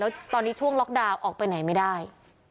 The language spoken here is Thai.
แล้วตอนนี้ช่วงล็อกดาวน์ออกไปไหนไม่ได้